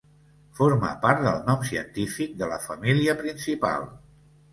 Forma part del nom científic de la família principal.